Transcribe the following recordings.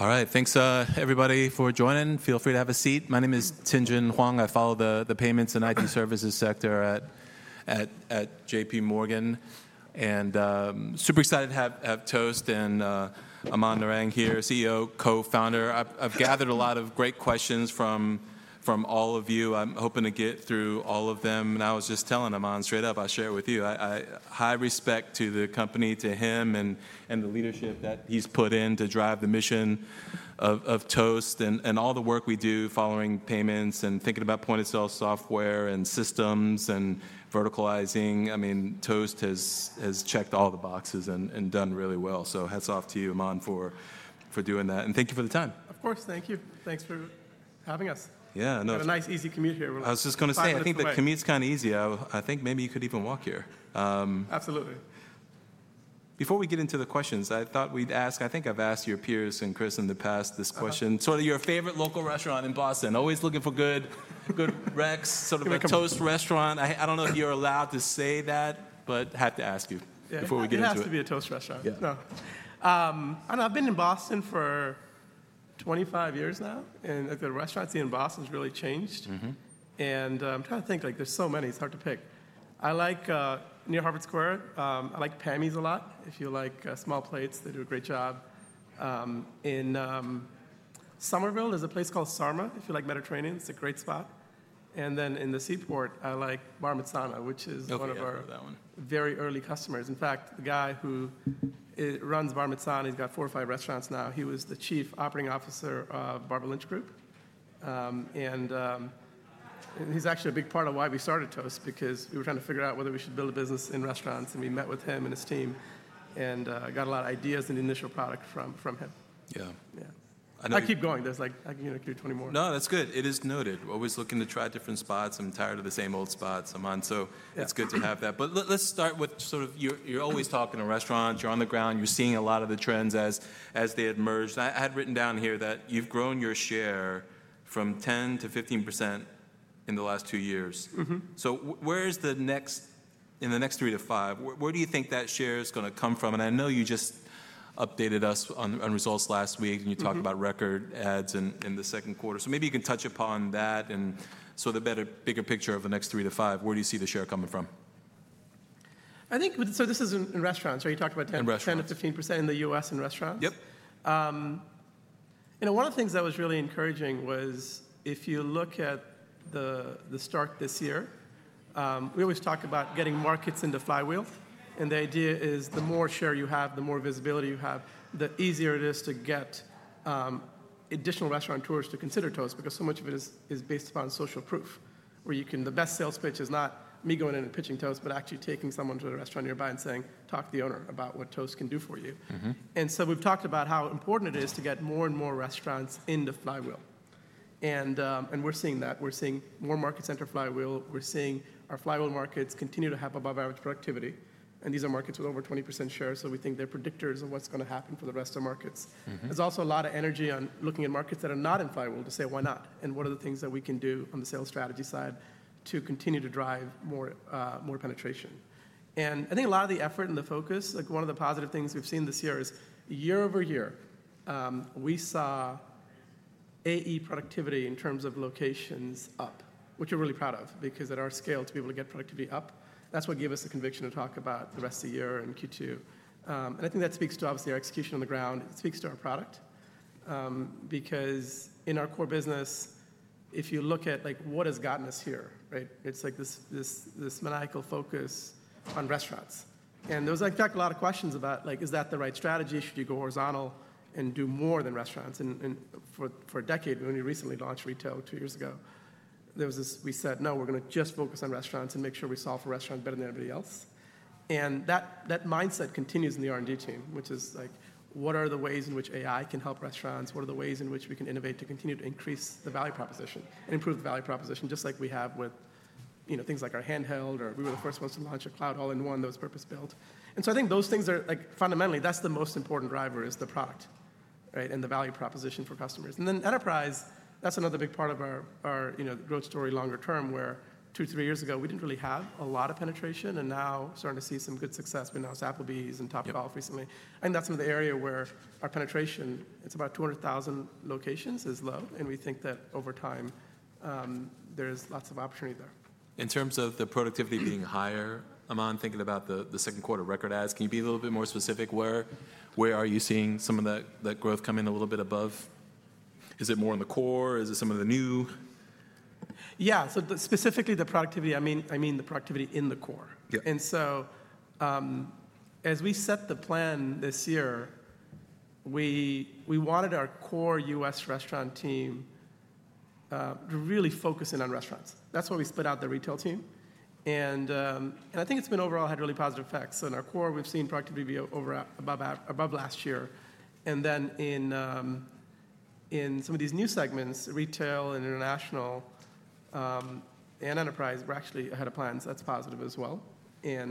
All right, thanks, everybody, for joining. Feel free to have a seat. My name is Tianjun Huang. I follow the payments and IT services sector at JPMorgan. Super excited to have Toast and Aman Narang here, CEO, co-founder. I've gathered a lot of great questions from all of you. I'm hoping to get through all of them. I was just telling Aman, straight up, I'll share it with you. High respect to the company, to him, and the leadership that he's put in to drive the mission of Toast and all the work we do following payments and thinking about point-of-sale software and systems and verticalizing. I mean, Toast has checked all the boxes and done really well. Hats off to you, Aman, for doing that. Thank you for the time. Of course. Thank you. Thanks for having us. Yeah. It's been a nice, easy commute here. I was just going to say, I think the commute's kind of easy. I think maybe you could even walk here. Absolutely. Before we get into the questions, I thought we'd ask, I think I've asked your peers and Chris in the past this question. Sort of your favorite local restaurant in Boston. Always looking for good recs, sort of a Toast restaurant. I don't know if you're allowed to say that, but had to ask you before we get into it. It has to be a Toast restaurant. Yeah. I've been in Boston for 25 years now. The restaurants here in Boston have really changed. I'm trying to think. There are so many. It's hard to pick. I like near Harvard Square. I like Pammy's a lot. If you like small plates, they do a great job. In Somerville, there's a place called Sarma. If you like Mediterranean, it's a great spot. In the Seaport, I like Bar Mitsanna, which is one of our very early customers. In fact, the guy who runs Bar Mitsanna, he's got four or five restaurants now. He was the Chief Operating Officer of Barber Lynch Group. He's actually a big part of why we started Toast, because we were trying to figure out whether we should build a business in restaurants. We met with him and his team and got a lot of ideas and initial product from him. Yeah. I keep going. There's like 20 more. No, that's good. It is noted. Always looking to try different spots. I'm tired of the same old spots, Aman. It's good to have that. Let's start with sort of you're always talking to restaurants. You're on the ground. You're seeing a lot of the trends as they emerge. I had written down here that you've grown your share from 10% to 15% in the last two years. Where is the next in the next three to five? Where do you think that share is going to come from? I know you just updated us on results last week, and you talked about record ads in the second quarter. Maybe you can touch upon that and sort of the bigger picture of the next three to five. Where do you see the share coming from? I think so this is in restaurants, right? You talked about 10%-15% in the U.S. in restaurants. Yeah. One of the things that was really encouraging was if you look at the stat this year, we always talk about getting markets into flywheel. The idea is the more share you have, the more visibility you have, the easier it is to get additional restaurateurs to consider Toast, because so much of it is based upon social proof, where the best sales pitch is not me going in and pitching Toast, but actually taking someone to a restaurant nearby and saying, talk to the owner about what Toast can do for you. And so we have talked about how important it is to get more and more restaurants into flywheel. We are seeing that. We are seeing more markets enter flywheel. We are seeing our flywheel markets continue to have above-average productivity. These are markets with over 20% share. We think they're predictors of what's going to happen for the rest of the markets. There's also a lot of energy on looking at markets that are not in flywheel to say, why not? What are the things that we can do on the sales strategy side to continue to drive more penetration? I think a lot of the effort and the focus, like one of the positive things we've seen this year is year-over-year, we saw AE productivity in terms of locations up, which we're really proud of, because at our scale, to be able to get productivity up, that's what gave us the conviction to talk about the rest of the year and Q2. I think that speaks to, obviously, our execution on the ground. It speaks to our product, because in our core business, if you look at what has gotten us here, it's this maniacal focus on restaurants. There was, in fact, a lot of questions about, is that the right strategy? Should you go horizontal and do more than restaurants? For a decade, when we only recently launched retail two years ago. We said, no, we're going to just focus on restaurants and make sure we solve for restaurants better than anybody else. That mindset continues in the R&D team, which is like, what are the ways in which AI can help restaurants? What are the ways in which we can innovate to continue to increase the value proposition and improve the value proposition, just like we have with things like our Handheld, or we were the first ones to launch a cloud all in one that was purpose-built. I think those things are fundamentally, that's the most important driver is the product and the value proposition for customers. And then enterprise, that's another big part of our growth story longer term, where two or three years ago, we didn't really have a lot of penetration. Now, starting to see some good success. We announced Applebee's and Topgolf recently. I think that's another area where our penetration, it's about 200,000 locations, is low. We think that over time, there is lots of opportunity there. In terms of the productivity being higher, Aman, thinking about the second quarter record ads, can you be a little bit more specific? Where are you seeing some of that growth come in a little bit above? Is it more in the core? Is it some of the new? Yeah. So specifically the productivity, I mean the productivity in the core. As we set the plan this year, we wanted our core U.S. restaurant team to really focus in on restaurants. That's why we split out the retail team. I think it's been overall had really positive effects. In our core, we've seen productivity be above last year. In some of these new segments, retail and international and enterprise, we're actually ahead of plans. That's positive as well. I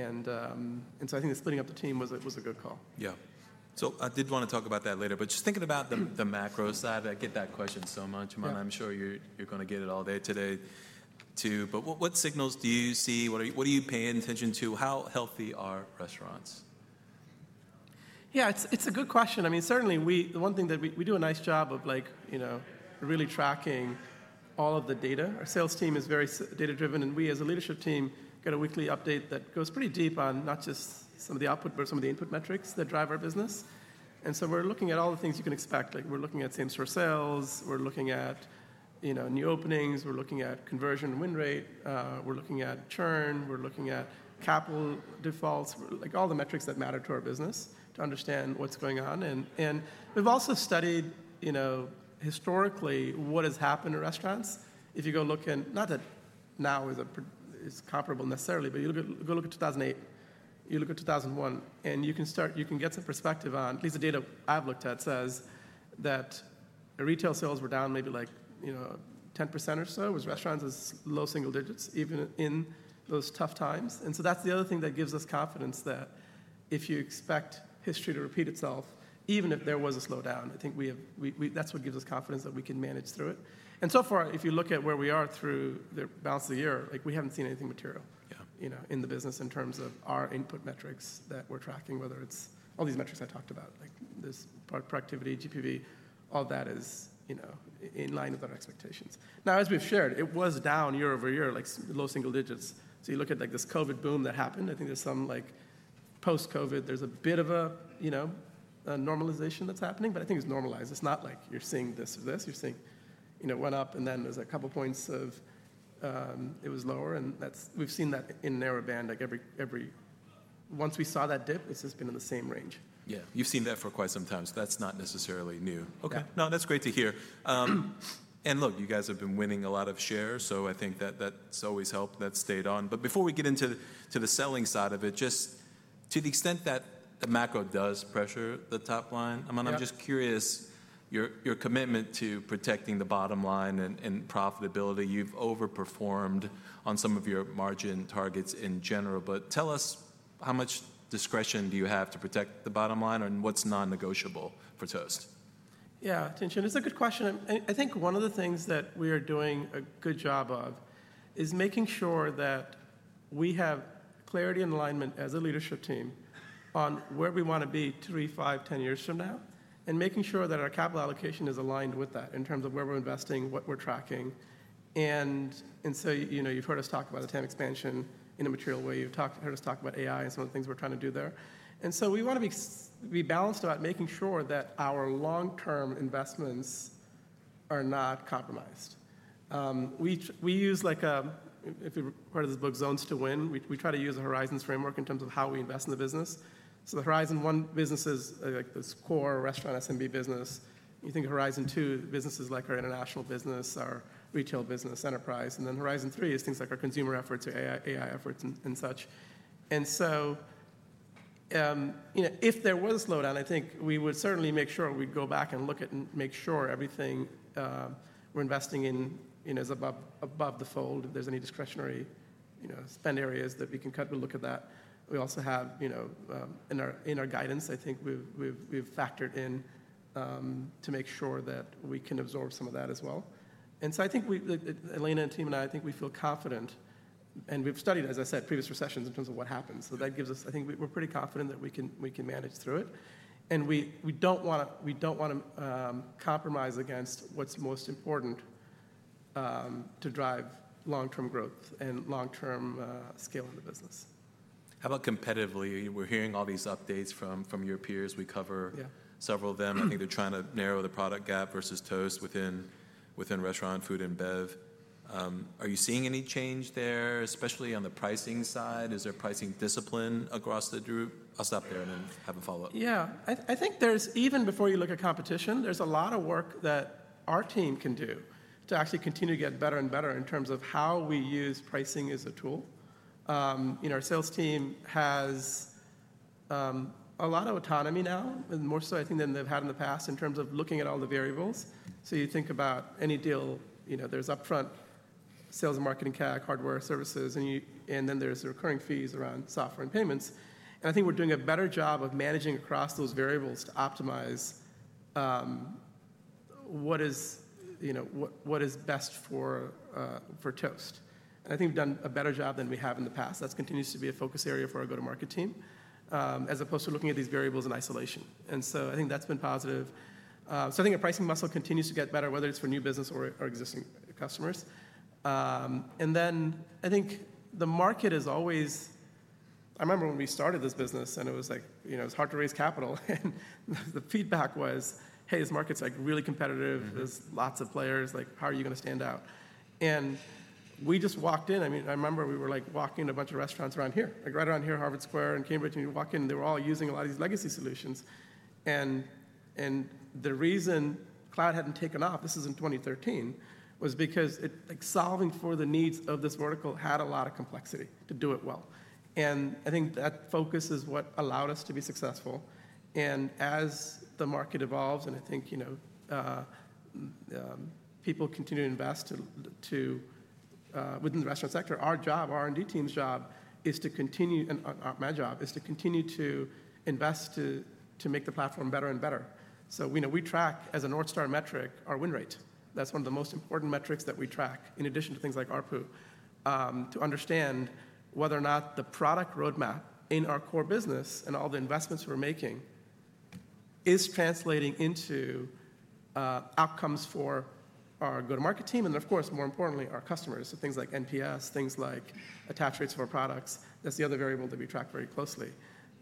think splitting up the team was a good call. Yeah. I did want to talk about that later. But just thinking about the macro side, I get that question so much. I'm sure you're going to get it all day today, too. What signals do you see? What are you paying attention to? How healthy are restaurants? Yeah, it's a good question. I mean, certainly, the one thing that we, we do a nice job of really tracking all of the data. Our sales team is very data-driven. We, as a leadership team, get a weekly update that goes pretty deep on not just some of the output, but some of the input metrics that drive our business. We are looking at all the things you can expect. We are looking at same-store sales. We are looking at new openings. We are looking at conversion win rate. We are looking at churn. We are looking at capital defaults. All the metrics that matter to our business to understand what's going on. We have also studied, you know, historically what has happened to restaurants. If you go look in, not that now is comparable necessarily, but you go look at 2008, you look at 2001, and you can, start, you can get some perspective on at least the data I've looked at says that retail sales were down maybe like 10% or so, with restaurants as low single digits, even in those tough times. That's the other thing that gives us confidence that if you expect history to repeat itself, even if there was a slowdown, I think that's what gives us confidence that we can manage through it. So far, if you look at where we are through the balance of the year, we haven't seen anything material in the business in terms of our input metrics that we're tracking, whether it's all these metrics I talked about, like this productivity, GPV, all that is in line with our expectations. Now, as we've shared, it was down year over year, like low single digits. You look at this COVID boom that happened, I think there's some post-COVID, there's a bit of a normalization that's happening. I think it's normalized. It's not like you're seeing this or this. You're seeing it went up, and then there's a couple of points of it was lower. And thats, we've seen that in narrow band. Like every, once we saw that dip, it's just been in the same range. Yeah. You've seen that for quite some time. That's not necessarily new. Okay. No, that's great to hear. Look, you guys have been winning a lot of shares. I think that's always helped. That stayed on. But before we get into the selling side of it, just to the extent that the macro does pressure the top line, Aman, I'm just curious your commitment to protecting the bottom line and profitability. You've overperformed on some of your margin targets in general. Tell us, how much discretion do you have to protect the bottom line and what's non-negotiable for Toast? Yeah, Tianjun, it's a good question. I think one of the things that we are doing a good job of is making sure that we have clarity and alignment as a leadership team on where we want to be three, five, ten years from now, and making sure that our capital allocation is aligned with that in terms of where we're investing, what we're tracking. You've heard us talk about the TAM expansion in a material way. You've heard us talk about AI and some of the things we're trying to do there. And sp we want to be balanced about making sure that our long-term investments are not compromised. We use like if you've heard of this book, Zone To Win. We try to use a horizons framework in terms of how we invest in the business. The horizon one businesses, like this core restaurant SMB business, you think of horizon two businesses like our international business, our retail business, enterprise. Then horizon three is things like our consumer efforts, AI efforts, and such. If there was a slowdown, I think we would certainly make sure we'd go back and look at and make sure everything we're investing in is above the fold. If there's any discretionary spend areas that we can cut, we'll look at that. We also have in our guidance, I think we've factored in to make sure that we can absorb some of that as well. I think Elena and the team and I, I think we feel confident. We've studied, as I said, previous recessions in terms of what happens. That gives us, I think we're pretty confident that we can manage through it. And we don't want to compromise against what is most important to drive long-term growth and long-term scale in the business. How about competitively? We're hearing all these updates from your peers. We cover several of them. I think they're trying to narrow the product gap versus Toast within restaurant, food, and bev. Are you seeing any change there, especially on the pricing side? Is there pricing discipline across the group? I'll stop there and then have a follow-up. Yeah. I think even before you look at competition, there's a lot of work that our team can do to actually continue to get better and better in terms of how we use pricing as a tool. Our sales team has a lot of autonomy now, and more so I think than they've had in the past, in terms of looking at all the variables. You think about any deal, there's upfront sales and marketing CAC, hardware, services. Then there's the recurring fees around software and payments. I think we're doing a better job of managing across those variables to optimize what is best for Toast. I think we've done a better job than we have in the past. That continues to be a focus area for our go-to-market team, as opposed to looking at these variables in isolation. And so, I think that's been positive. I think our pricing muscle continues to get better, whether it's for new business or existing customers. And then, I think the market is always, I remember when we started this business, and it was like it was hard to raise capital. The feedback was, hey, this market's really competitive. There's lots of players. How are you going to stand out? We just walked in. I remember we were walking in a bunch of restaurants around here, right around here, Harvard Square and Cambridge. You walk in, and they were all using a lot of these legacy solutions. The reason cloud hadn't taken off, this is in 2013, was because solving for the needs of this vertical had a lot of complexity to do it well. I think that focus is what allowed us to be successful. As the market evolves, and I think people continue to invest within the restaurant sector, our job, our R&D team's job is to continue and my job is to continue to invest to make the platform better and better. We track, as a North Star metric, our win rate. That's one of the most important metrics that we track, in addition to things like ARPU, to understand whether or not the product roadmap in our core business and all the investments we're making is translating into outcomes for our go-to-market team. Of course, more importantly, our customers. Things like NPS, things like attach rates of our products, that's the other variable that we track very closely.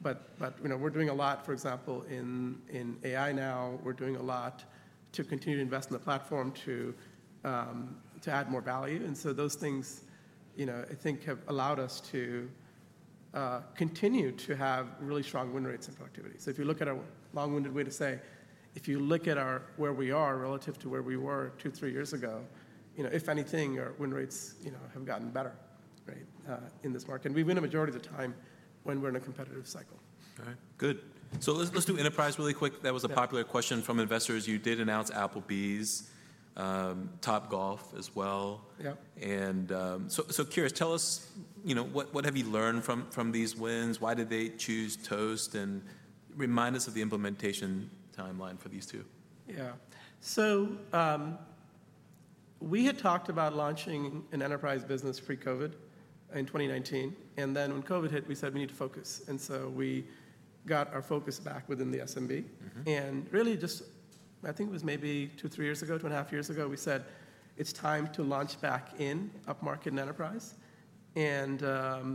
We're doing a lot, for example, in AI now, we're doing a lot to continue to invest in the platform to add more value. Those things, I think, have allowed us to continue to have really strong win rates and productivity. If you look at our long-winded way to say, if you look at where we are relative to where we were two or three years ago, if anything, our win rates have gotten better in this market. We win a majority of the time when we're in a competitive cycle. All right. Good. Let's do enterprise really quick. That was a popular question from investors. You did announce Applebee's, Topgolf as well. Curious, tell us, what have you learned from these wins? Why did they choose Toast? Remind us of the implementation timeline for these two. Yeah. We had talked about launching an enterprise business pre-COVID in 2019. When COVID hit, we said we need to focus. We got our focus back within the SMB. Really, just I think it was maybe two or three years ago, two and a half years ago, we said, it's time to launch back in upmarket and enterprise. That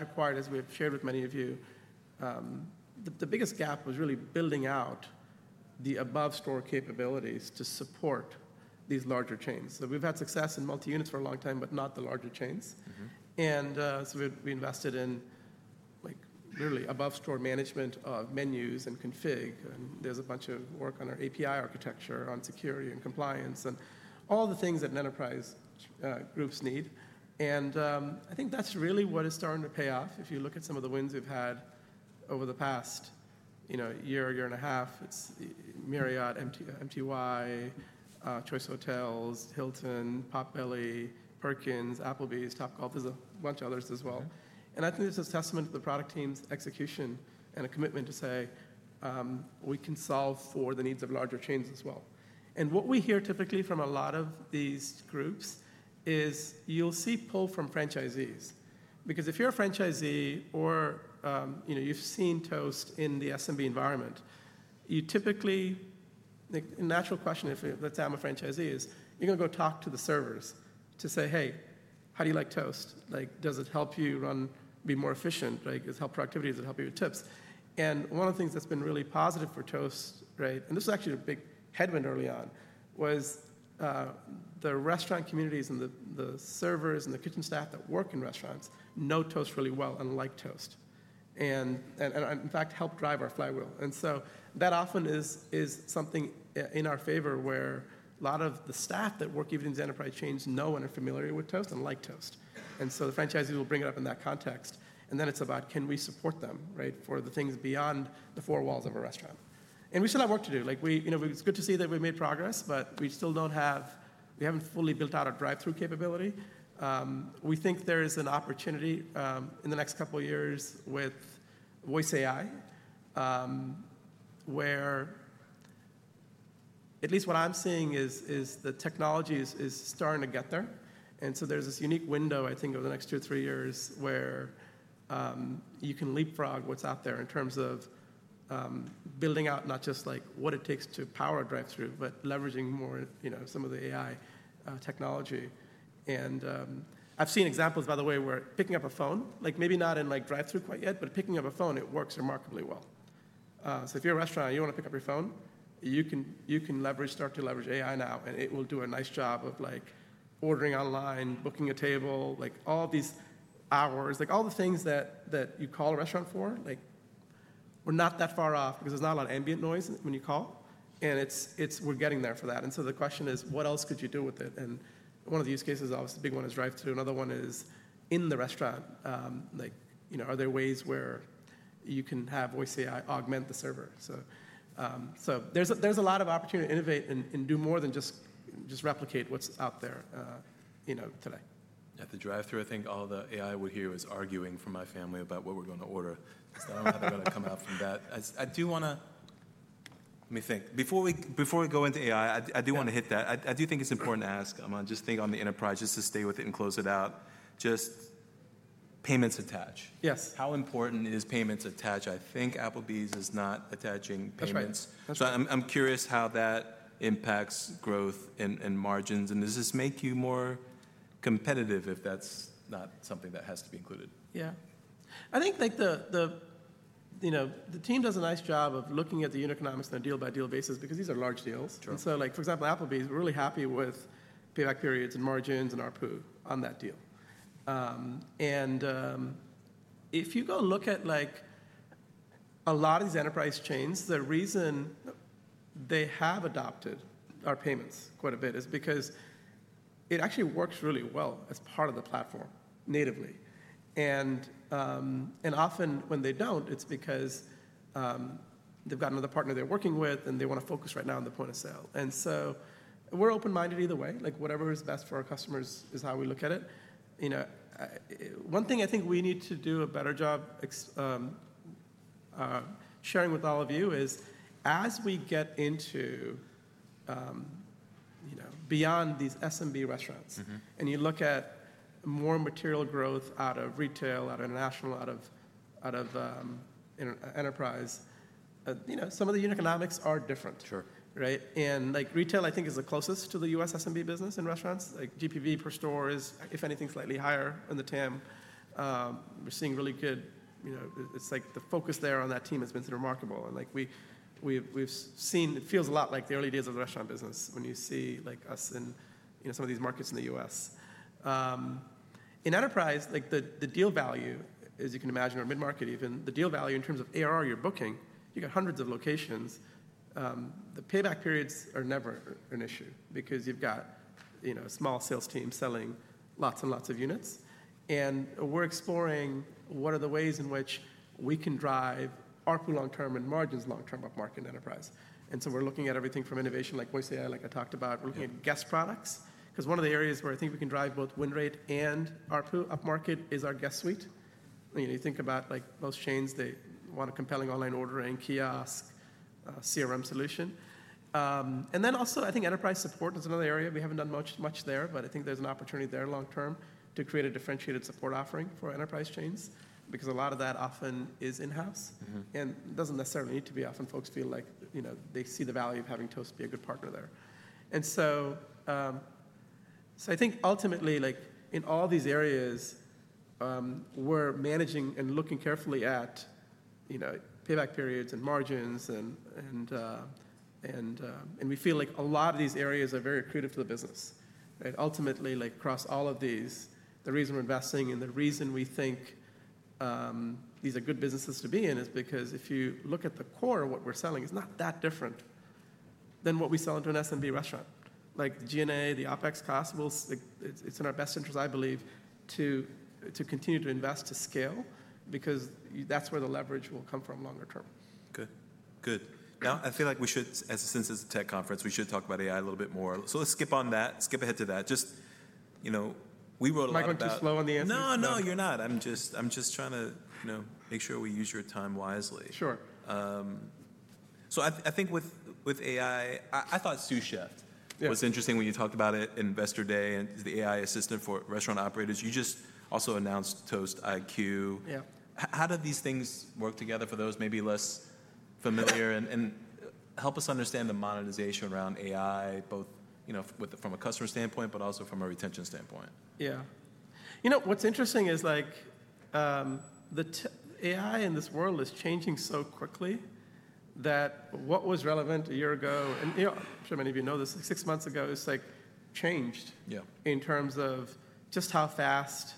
required, as we've shared with many of you, the biggest gap was really building out the above-store capabilities to support these larger chains. We've had success in multi-units for a long time, but not the larger chains. We invested in really above-store management of menus and config. There's a bunch of work on our API architecture, on security and compliance, and all the things that enterprise groups need. I think that's really what is starting to pay off. If you look at some of the wins we've had over the past year, year and a half, it's Marriott, MTY, Choice Hotels, Hilton, Pop Belly, Perkins, Applebee's, Topgolf. There's a bunch of others as well. I think it's a testament to the product team's execution and a commitment to say, we can solve for the needs of larger chains as well. What we hear typically from a lot of these groups is you'll see pull from franchisees. Because if you're a franchisee or you've seen Toast in the SMB environment, typically a natural question, if, let's say, I'm a franchisee, is you're going to go talk to the servers to say, hey, how do you like Toast? Does it help you be more efficient? Does it help productivity? Does it help you with tips? One of the things that's been really positive for Toast, and this was actually a big headwind early on, was the restaurant communities and the servers and the kitchen staff that work in restaurants know Toast really well and like Toast and, in fact, help drive our flywheel. That often is something in our favor where a lot of the staff that work even in the enterprise chains know and are familiar with Toast and like Toast. The franchisees will bring it up in that context. Then it's about, can we support them for the things beyond the four walls of a restaurant? And we still have work to do. It's good to see that we've made progress, but we still don't have, we haven't fully built out our drive-through capability. We think there is an opportunity in the next couple of years with Voice AI, where at least what I'm seeing is the technology is starting to get there. And so there is this unique window, I think, over the next two or three years where you can leapfrog what's out there in terms of building out not just what it takes to power a drive-through, but leveraging more some of the AI technology. I've seen examples, by the way, where picking up a phone, maybe not in drive-through quite yet, but picking up a phone, it works remarkably well. If you're a restaurant and you want to pick up your phone, you can start to leverage AI now. It will do a nice job of ordering online, booking a table, all these hours, all the things that you call a restaurant for. We're not that far off because there's not a lot of ambient noise when you call. We're getting there for that. The question is, what else could you do with it? One of the use cases, obviously, big one is drive-through. Another one is in the restaurant. Are there ways where you can have Voice AI augment the server? There's a lot of opportunity to innovate and do more than just replicate what's out there, you know, today. At the drive-through, I think all the AI would hear is arguing from my family about what we're going to order. I don't know how they're going to come out from that. I do want, to let me think. Before we go into AI, I do want to hit that. I do think it's important to ask, Aman, just think on the enterprise just to stay with it and close it out, just payments attached. Yes. How important is payments attached? I think Aman is not attaching payments. That's right. I'm curious how that impacts growth and margins. Does this make you more competitive if that's not something that has to be included? Yeah. I think the team does a nice job of looking at the unit economics on a deal-by-deal basis because these are large deals. For example, Applebee's is really happy with payback periods and margins and ARPU on that deal. If you go look at a lot of these enterprise chains, the reason they have adopted our payments quite a bit is because it actually works really well as part of the platform natively. Often when they do not, it is because they have got another partner they are working with, and they want to focus right now on the point of sale. We are open-minded either way. Whatever is best for our customers is how we look at it. One thing I think we need to do a better job sharing with all of you is as we get beyond these SMB restaurants and you look at more material growth out of retail, out of international, out of enterprise, some of the unit economics are different. Sure. Retail, I think, is the closest to the U.S. SMB Business in restaurants. GPV per store is, if anything, slightly higher than the TAM. We're seeing really good, it's like the focus there on that team has been remarkable. We've seen it feels a lot like the early days of the restaurant business when you see us in some of these markets in the U.S.. In enterprise, the deal value, as you can imagine, or mid-market even, the deal value in terms of ARR you're booking, you've got hundreds of locations. The payback periods are never an issue because you've got a small sales team selling lots and lots of units. We're exploring what are the ways in which we can drive ARPU long-term and margins long-term upmarket and enterprise. We're looking at everything from innovation like Voice AI, like I talked about. We're looking at guest products because one of the areas where I think we can drive both win rate and ARPU upmarket is our guest suite. You think about most chains, they want a compelling online ordering, kiosk, CRM solution. And then also, I think enterprise support is another area. We haven't done much there, but I think there's an opportunity there long-term to create a differentiated support offering for enterprise chains because a lot of that often is in-house. It doesn't necessarily need to be. Often, folks feel like they see the value of having Toast be a good partner there. And so, I think ultimately, in all these areas, we're managing and looking carefully at payback periods and margins. We feel like a lot of these areas are very accretive to the business. Ultimately, across all of these, the reason we're investing and the reason we think these are good businesses to be in is because if you look at the core of what we're selling, it's not that different than what we sell into an SMB restaurant. Like G&A, the OpEx cost, it's in our best interest, I believe, to continue to invest to scale because that's where the leverage will come from longer term. Good. Now, I feel like we should, since it's a tech conference, we should talk about AI a little bit more. Let's skip on that, skip ahead to that. Just we wrote a lot of. Am I going too slow on the answer? No, no, you're not. I'm just trying to make sure we use your time wisely. Sure. I think with AI, I thought Sous Chef was interesting when you talked about it in Investor Day and the AI assistant for restaurant operators. You just also announced ToastIQ. How do these things work together for those maybe less familiar? Help us understand the monetization around AI, both from a customer standpoint, but also from a retention standpoint. Yeah. You know what's interesting is the AI in this world is changing so quickly that what was relevant a year ago, and I'm sure many of you know this, six months ago, it's changed in terms of just how fast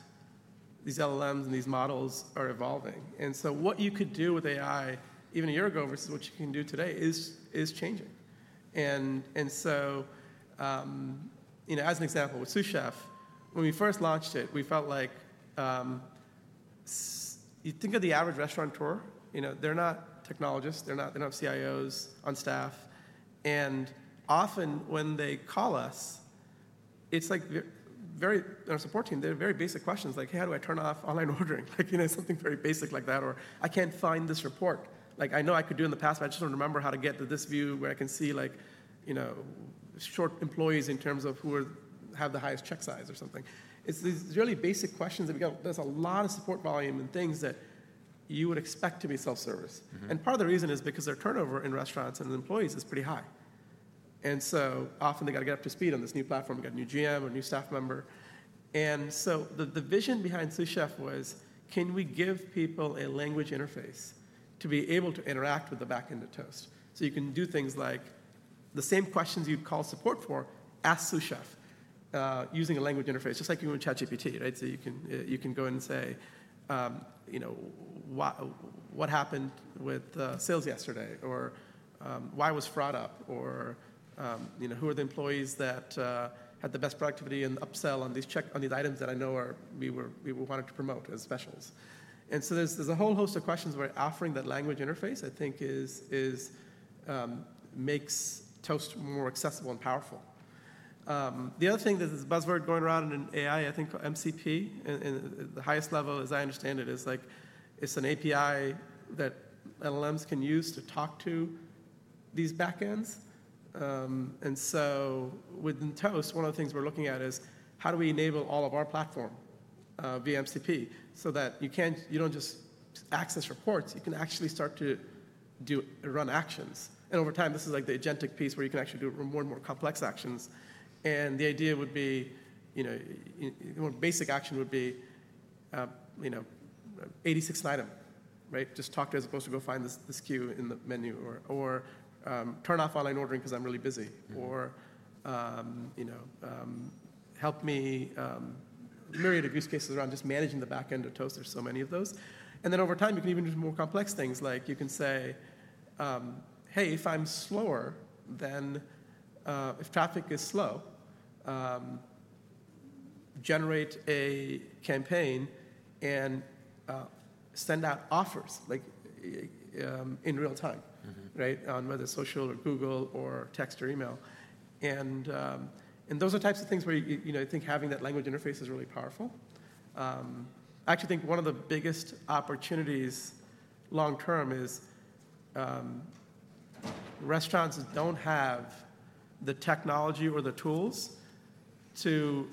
these LLMs and these models are evolving. What you could do with AI, even a year ago versus what you can do today, is changing. As an example, with Sous Chef, when we first launched it, we felt like you think of the average restaurateur. They're not technologists. They're not CIOs on staff. And often when they call us, it's like our support team, they have very basic questions like, hey, how do I turn off online ordering? Something very basic like that. Or I can't find this report. I know I could do in the past, but I just do not remember how to get to this view where I can see short employees in terms of who have the highest check size or something. It is these really basic questions that we go. There is a lot of support volume and things that you would expect to be self-service. Part of the reason is because their turnover in restaurants and employees is pretty high. And so often they have got to get up to speed on this new platform. We have got a new GM or a new staff member. The vision behind Sous Chef was, can we give people a language interface to be able to interact with the back end of Toast? You can do things like the same questions you would call support for, ask Sous Chef using a language interface, just like you would ChatGPT. Lets say you can go in and say, what happened with sales yesterday? Or why was fraud up? Or who are the employees that had the best productivity and upsell on these items that I know we wanted to promote as specials? There is a whole host of questions where offering that language interface, I think, makes Toast more accessible and powerful. The other thing, there is this buzzword going around in AI, I think MCP. At the highest level, as I understand it, it is an API that LLMs can use to talk to these back ends. And so within Toast, one of the things we are looking at is how do we enable all of our platform via MCP so that you do not just access reports. You can actually start to run actions. And over time, this is like the agentic piece where you can actually do more and more complex actions. And the idea would be one basic action would be 86 an item, just talk to as opposed to go find this queue in the menu. Turn off online ordering because I'm really busy or help me a myriad of use cases around just managing the back end of Toast. There are so many of those. Amnd then over time, you can even do more complex things. Like you can say, hey, if I'm slower than if traffic is slow, generate a campaign and send out offers in real-time on whether social or Google or text or email. Those are types of things where I think having that language interface is really powerful. I actually think one of the biggest opportunities long-term is restaurants don't have the technology or the tools to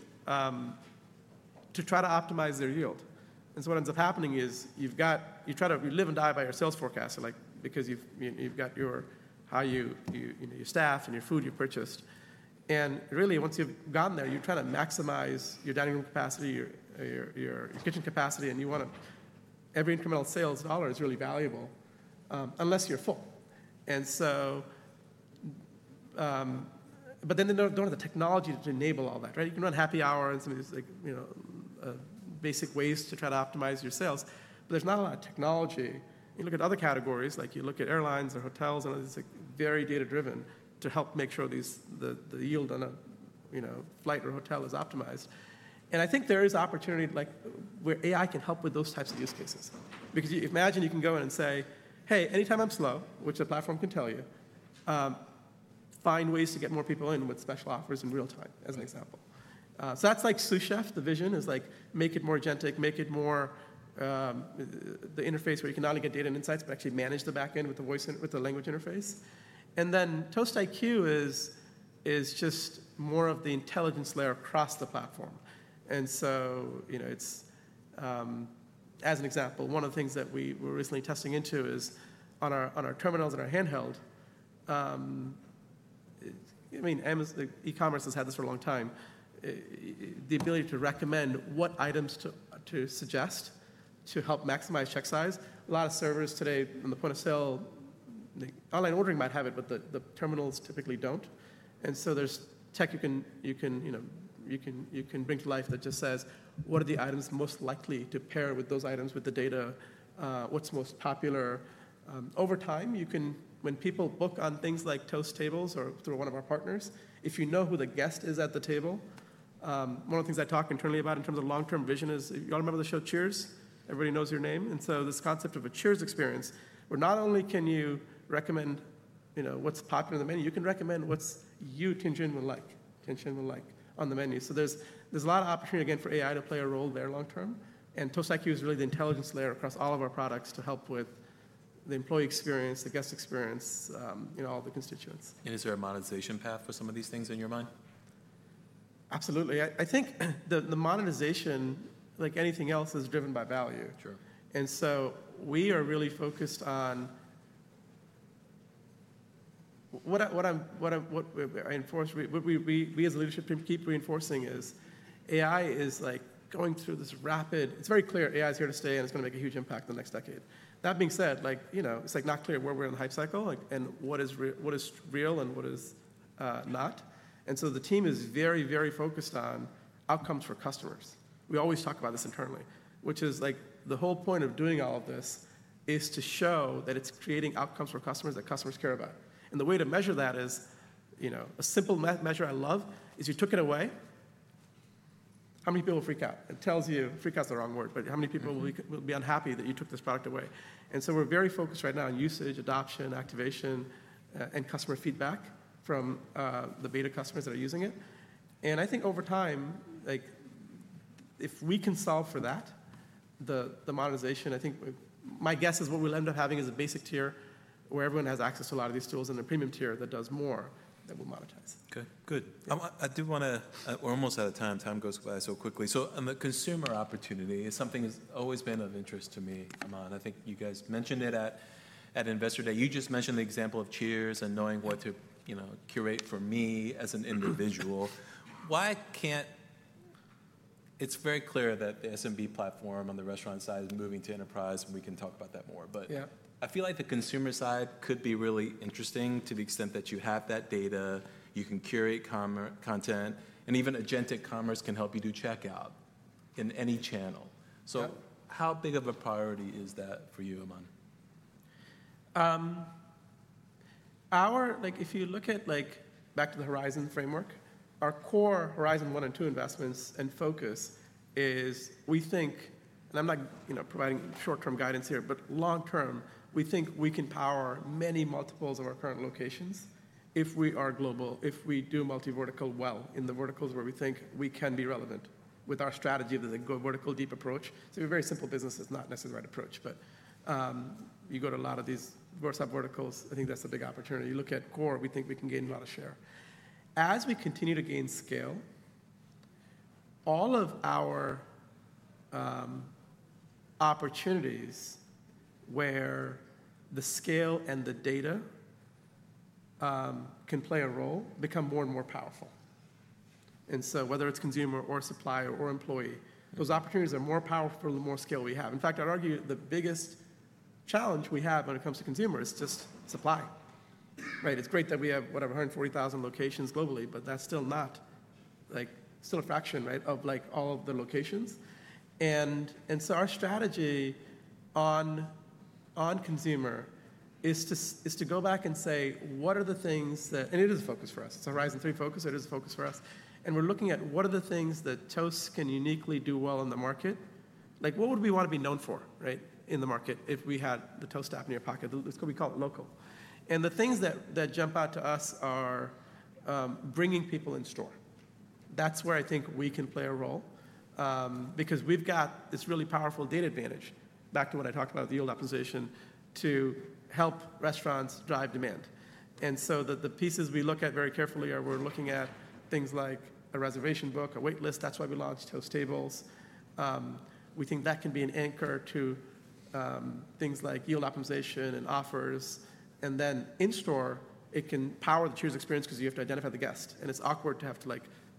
try to optimize their yield. What ends up happening is you try to live and die by your sales forecast because you've got your staff and your food you purchased. Really, once you've gone there, you try to maximize your dining room capacity, your kitchen capacity. You want every incremental sales dollar, it is really valuable unless you're full. They don't have the technology to enable all that. You can run happy hour and some of these basic ways to try to optimize your sales. There's not a lot of technology. You look at other categories. You look at airlines or hotels. It is very data-driven to help make sure the yield on a flight or hotel is optimized. I think there is opportunity where AI can help with those types of use cases. Because imagine you can go in and say, hey, anytime I'm slow, which the platform can tell you, find ways to get more people in with special offers in real time, as an example. That's like Sous Chef. The vision is make it more agentic, make it more the interface where you can not only get data and insights, but actually manage the back end with the language interface. And then ToastIQ is just more of the intelligence layer across the platform. And so as an example, one of the things that we were recently testing into is on our terminals and our Handheld. I mean, e-commerce has had this for a long time, the ability to recommend what items to suggest to help maximize check size. A lot of servers today on the point of sale, online ordering might have it, but the terminals typically do not. There is tech you can bring to life that just says, what are the items most likely to pair with those items with the data? What is most popular? Over time, when people book on things like Toast Tables or through one of our partners, if you know who the guest is at the table, one of the things I talk internally about in terms of long-term vision is you all remember the Show Cheers? Everybody knows your name. This concept of a Cheers experience where not only can you recommend what is popular in the menu, you can recommend what you tangentially like on the menu. There is a lot of opportunity, again, for AI to play a role there long-term. And ToastIQ is really the intelligence layer across all of our products to help with the employee experience, the guest experience, all the constituents. Is there a monetization path for some of these things in your mind? Absolutely. I think the monetization, like anything else, is driven by value. And so we are really focused on what we as a leadership team keep reinforcing is AI is going through this rapid, it's very clear AI is here to stay, and it's going to make a huge impact in the next decade. That being said, it's not clear where we're in the hype cycle and what is real and what is not. So the team is very, very focused on outcomes for customers. We always talk about this internally, which is the whole point of doing all of this is to show that it's creating outcomes for customers that customers care about. The way to measure that is a simple measure I love is you took it away, how many people freak out? It tells you freak out is the wrong word, but how many people will be unhappy that you took this product away? And so we are very focused right now on usage, adoption, activation, and customer feedback from the beta customers that are using it. I think over time, if we can solve for that, the monetization, I think my guess is what we'll end up having is a basic tier where everyone has access to a lot of these tools and a premium tier that does more that will monetize. Good. Good. I do want to we're almost out of time. Time goes by so quickly. On the consumer opportunity, something has always been of interest to me, Aman. I think you guys mentioned it at Investor Day. You just mentioned the example of Cheers and knowing what to curate for me as an individual. Why can't, it's very clear that the SMB platform on the restaurant side is moving to enterprise, and we can talk about that more. But I feel like the consumer side could be really interesting to the extent that you have that data, you can curate content, and even agentic commerce can help you do checkout in any channel. How big of a priority is that for you, Aman? If you look at back to the Horizons framework, our core Horizon one and two investments and focus is we think, and I'm not providing short-term guidance here, but long-term, we think we can power many multiples of our current locations if we are global, if we do multi-vertical well in the verticals where we think we can be relevant with our strategy of the vertical deep approach. It's a very simple business. It's not necessarily the right approach. But you go to a lot of these verticals, I think that's a big opportunity. You look at core, we think we can gain a lot of share. As we continue to gain scale, all of our opportunities where the scale and the data can play a role become more and more powerful. And so whether it's consumer or supplier or employee, those opportunities are more powerful for the more scale we have. In fact, I'd argue the biggest challenge we have when it comes to consumer is just supply. It's great that we have, whatever, 140,000 locations globally, but that's still a fraction of all of the locations. Our strategy on consumer is to go back and say, what are the things that, and it is a focus for us. It's a Horizon three focus. It is a focus for us. We're looking at what are the things that Toast can uniquely do well in the market. Like what would we want to be known for in the market if we had the Toast app in your pocket? We call it local. The things that jump out to us are bringing people in store. That's where I think we can play a role because we've got this really powerful data advantage, back to what I talked about, the yield optimization, to help restaurants drive demand. The pieces we look at very carefully are we're looking at things like a reservation book, a wait list. That's why we launched Toast Tables. We think that can be an anchor to things like yield optimization and offers. And thewn in store, it can power the Cheers experience because you have to identify the guest. It's awkward to have to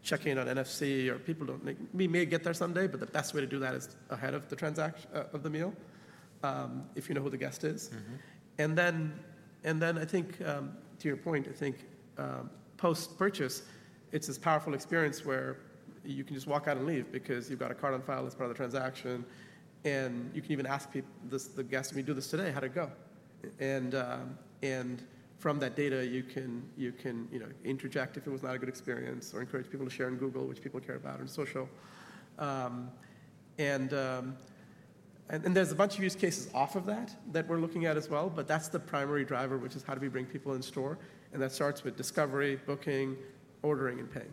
check in on NFC or people don't—we may get there someday, but the best way to do that is ahead of the transaction, of the meal if you know who the guest is. And then, I think to your point, I think post-purchase, it's this powerful experience where you can just walk out and leave because you've got a card on file as part of the transaction. You can even ask the guest, we do this today, how'd it go? From that data, you can interject if it was not a good experience or encourage people to share on Google, which people care about, and social. There are a bunch of use cases off of that that we're looking at as well. But that's the primary driver, which is how do we bring people in store. That starts with discovery, booking, ordering, and paying.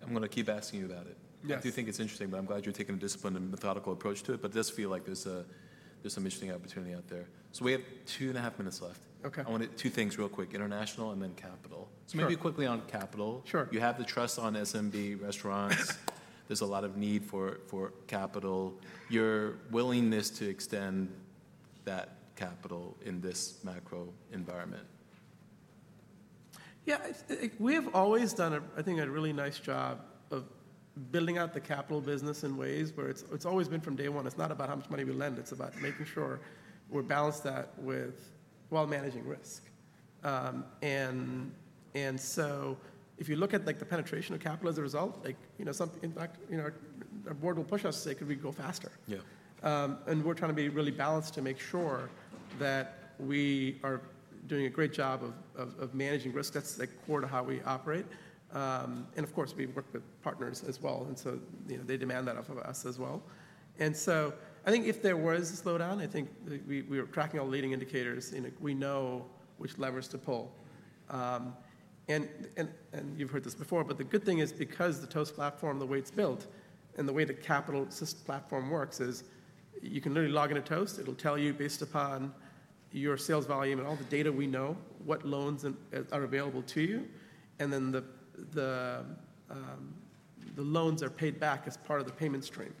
I'm going to keep asking you about it. I do think it's interesting, but I'm glad you're taking a disciplined and methodical approach to it. I just feel like there's some interesting opportunity out there. We have two and a half minutes left. I wanted two things real quick, international and then capital. Maybe quickly on capital. You have the trust on SMB restaurants. There's a lot of need for capital. Your willingness to extend that capital in this macro environment. Yeah. We have always done, I think, a really nice job of building out the capital business in ways where it's always been from day one. It's not about how much money we lend. It's about making sure we're balanced that while managing risk. If you look at the penetration of capital as a result, in fact, our board will push us to say, could we go faster? We're trying to be really balanced to make sure that we are doing a great job of managing risk. That's the core to how we operate. Of course, we work with partners as well. They demand that of us as well. I think if there was a slowdown, I think we were tracking all leading indicators. We know which levers to pull. You have heard this before, but the good thing is because the Toast platform, the way it is built and the way the capital platform works is you can literally log into Toast. It will tell you based upon your sales volume and all the data we know what loans are available to you. The loans are paid back as part of the payment stream.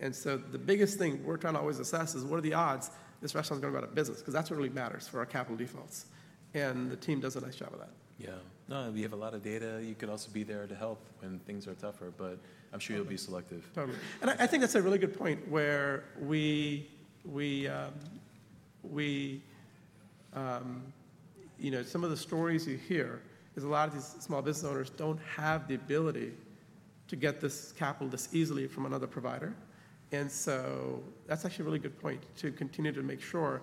The biggest thing we are trying to always assess is what are the odds this restaurant is going to go out of business? Because that is what really matters for our capital defaults. And the team d es a nice job of that. Yeah. No, we have a lot of data. You can also be there to help when things are tougher. I'm sure you'll be selective. Totally. I think that's a really good point where some of the stories you hear is a lot of these small business owners don't have the ability to get this capital this easily from another provider. That's actually a really good point to continue to make sure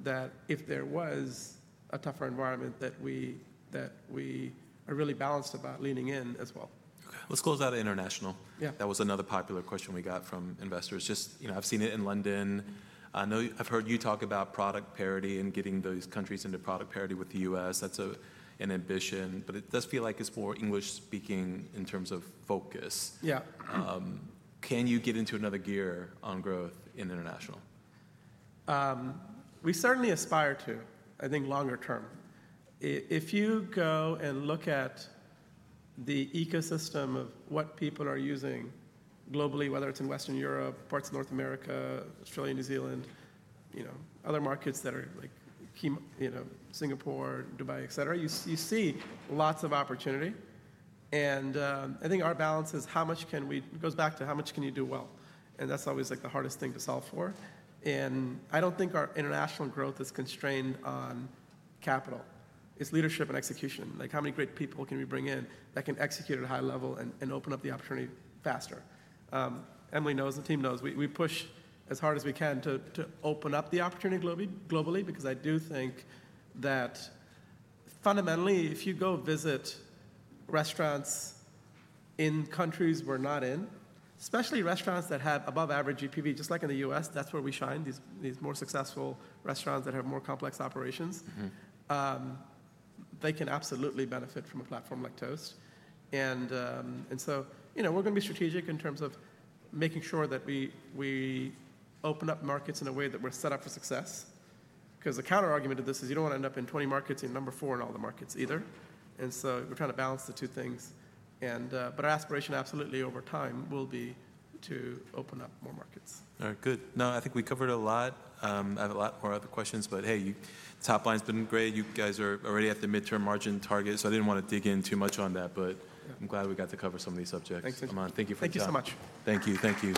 that if there was a tougher environment, we are really balanced about leaning in as well. Let's close out of international. That was another popular question we got from investors. I've seen it in London. I've heard you talk about product parity and getting those countries into product parity with the U.S.. That's an ambition. It does feel like it's more English-speaking in terms of focus. Can you get into another gear on growth in international? We certainly aspire to, I think, longer term. If you go and look at the ecosystem of what people are using globally, whether it's in Western Europe, parts of North America, Australia, New Zealand, other markets that are like Singapore, Dubai, et cetera, you see lots of opportunity. I think our balance is how much can we—it goes back to how much can you do well? That's always the hardest thing to solve for. I don't think our international growth is constrained on capital. It's leadership and execution. How many great people can we bring in that can execute at a high level and open up the opportunity faster? Emily knows, the team knows. We push as hard as we can to open up the opportunity globally. Because I do think that fundamentally, if you go visit restaurants in countries we're not in, especially restaurants that have above-average GPV, just like in the U.S., that's where we shine, these more successful restaurants that have more complex operations, they can absolutely benefit from a platform like Toast. We are going to be strategic in terms of making sure that we open up markets in a way that we're set up for success. Because the counterargument to this is you don't want to end up in 20 markets and number four in all the markets either. And so we are trying to balance the two things. But our aspiration absolutely over time will be to open up more markets. All right. Good. No, I think we covered a lot. I have a lot more other questions. Hey, top line's been great. You guys are already at the mid-term margin target. I did not want to dig in too much on that. But I am glad we got to cover some of these subjects. Thank Tianjun. Aman, thank you for your time. Thank you so much. Thank you. Thank you.